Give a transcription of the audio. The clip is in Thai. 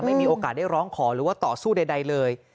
ไม่มีโอกาสได้ร้องขอหรือว่าต่อสู้ใดเลย